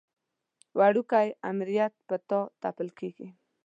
وړوکی امریت پر تا تپل کېږي.